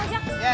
masih mau aja